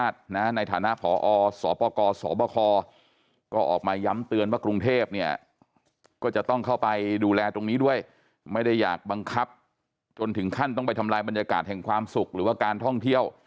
ไม่ได้อยากบังคับจนถึงขั้นต้องไปทำลายบรรยากาศแห่งความสุขหรือว่าการท่องเที่ยว